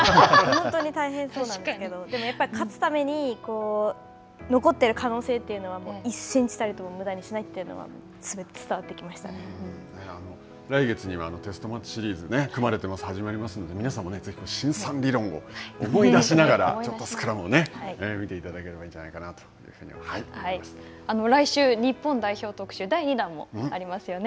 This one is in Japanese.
本当に大変そうなんですけど、でもやっぱり勝つために残ってる可能性というのは１センチ足りともむだにしないというのは伝わって来月にはテストマッチシリーズ、組まれてます、始まりますので、皆さんも、ぜひ慎さん理論を思い出しながらちょっとスクラムを見ていただければいいんじゃないか来週は日本代表特集、第２弾もありますよね。